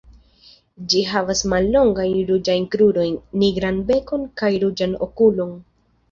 Ĝi havas mallongajn ruĝajn krurojn, nigran bekon kaj ruĝan okulon.